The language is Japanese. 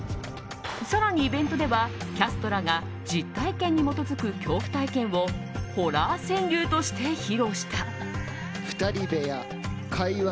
更にイベントではキャストらが実体験に基づく恐怖体験をホラー川柳として披露した。